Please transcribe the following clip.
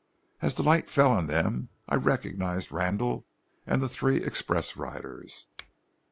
As the light fell on them I recognized Randall and the three express riders.